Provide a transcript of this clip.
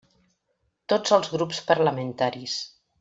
Tots els grups parlamentaris.